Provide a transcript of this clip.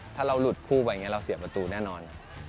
ถ้าเราหลุดคู่ไปอย่างนี้เราเสียประตูแน่นอน